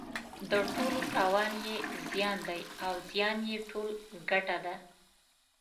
د ټولو تاوان یې زیان دی او زیان یې ټول ګټه ده.